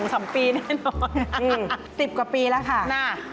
๑๐กว่าปีแล้วค่ะครับความรับความรัก